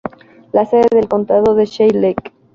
La sede del condado es Shell Lake.